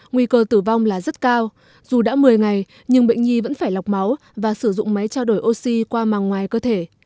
nguy cơ tử vong là rất cao dù đã một mươi ngày nhưng bệnh nhi vẫn phải lọc máu và sử dụng máy trao đổi oxy qua màng ngoài cơ thể